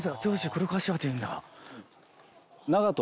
黒かしわっていうんだ。